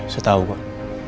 saya tahu kok